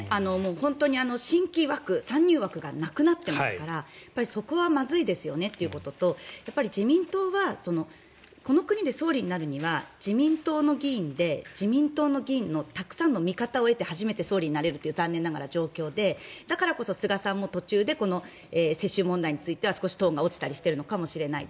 本当に新規枠、参入枠がなくなっていますからそこはまずいですよねということとこの国で総理になるには自民党の議員で自民党の議員のたくさんの味方を得て初めて総理になれるという残念ながら状況でだからこそ菅さんも途中で世襲問題についてトーンが落ちているかもしれない。